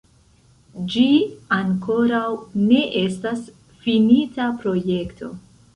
Ĝi ankoraŭ ne estas finita projekto.